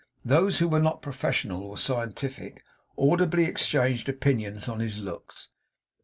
Those who were not professional or scientific, audibly exchanged opinions on his looks.